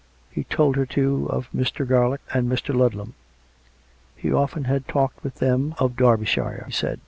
He told her, too, of Mr. Garlick and Mr. Ludlam; he often had talked with them of Derbyshire, he said.